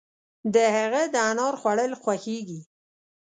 د هغه د انار خوړل خوښيږي.